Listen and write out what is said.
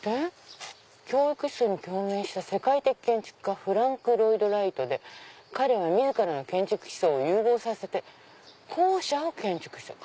「教育思想に共鳴した世界的建築家フランク・ロイド・ライトで彼は自らの建築思想を融合させて校舎を建築した」。